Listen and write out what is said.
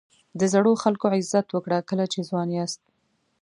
د زړو خلکو عزت وکړه کله چې ځوان یاست.